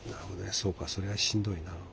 そうかそれはしんどいな。